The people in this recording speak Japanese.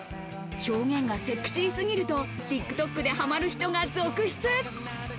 表現がセクシーすぎるとＴｉｋＴｏｋでハマる人が続出。